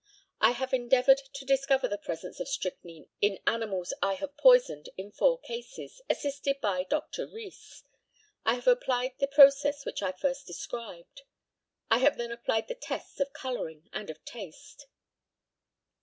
I have endeavoured to discover the presence of strychnine in animals I have poisoned in four cases, assisted by Dr. Rees. I have applied the process which I first described. I have then applied the tests of colouring and of taste.